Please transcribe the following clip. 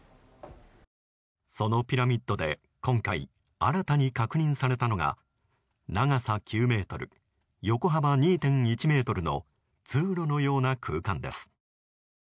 そのピラミッドで今回、新たに確認されたのが長さ９ｍ、横幅２．１ｍの通路のような空間です。